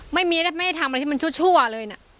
ไม่มีอะไรไม่ได้ทำอะไรที่มันชั่วเลยนะ